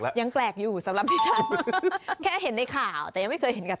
ขายสิยาว